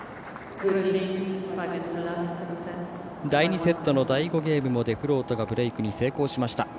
第２セットの第５ゲームもデフロートがブレークに成功。